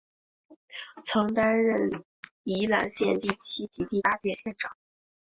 曾担任宜兰县第七及八届县长。